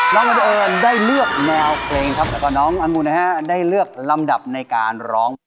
บังเอิญได้เลือกแนวเพลงครับแล้วก็น้องอังุนะฮะได้เลือกลำดับในการร้อง